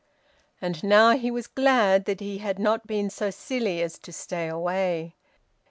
And now he was glad that he had not been so silly as to stay away.